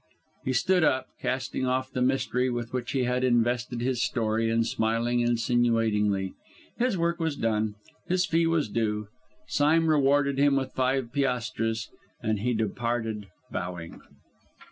He stood up, casting off the mystery with which he had invested his story, and smiling insinuatingly. His work was done; his fee was due. Sime rewarded him with five piastres, and he departed, bowing.